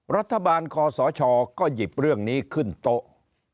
รัฐบาลคอสชก็หยิบเรื่องนี้ขึ้นโต๊ะ